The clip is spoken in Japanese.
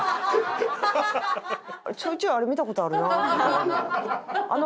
ちょいちょいあれ見た事あるなみたいな。